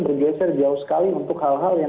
bergeser jauh sekali untuk hal hal yang